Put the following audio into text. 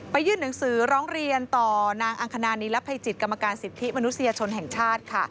ยื่นหนังสือร้องเรียนต่อนางอังคณานีรับภัยจิตกรรมการสิทธิมนุษยชนแห่งชาติค่ะ